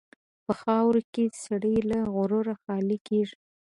په خاوره کې سړی له غروره خالي کېږي.